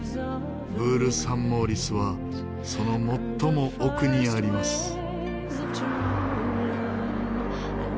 ブール・サン・モーリスはその最も奥にあります。